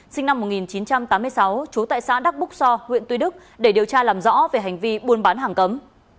sinh năm một nghìn chín trăm tám mươi sáu trú tại xã đắc búc so huyện tuy đức để điều tra làm rõ về hành vi buôn bán hàng cấm